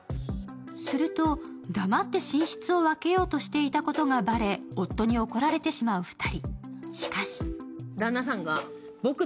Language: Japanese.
すると、黙って寝室を分けようとしていたことがばれ、夫に怒られてしまう２人。